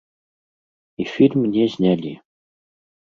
І фільм не знялі.